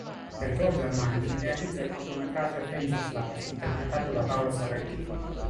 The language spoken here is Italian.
Per Giorgio Armani realizza il cortometraggio “Frames of Life”, interpretato da Paolo Sorrentino.